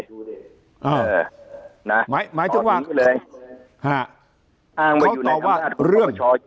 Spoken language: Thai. หมายถึงว่าเขาตอบว่าเรื่อง